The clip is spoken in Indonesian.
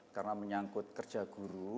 karena menyangkut terhadap sekolah